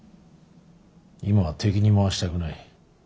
今は敵に回したくない。